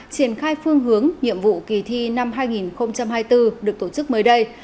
triển khai phương hướng nhiệm vụ kỳ thi năm hai nghìn hai mươi bốn được tổ chức mới đây